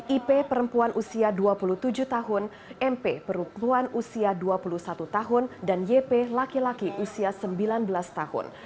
ip perempuan usia dua puluh tujuh tahun mp perempuan usia dua puluh satu tahun dan yp laki laki usia sembilan belas tahun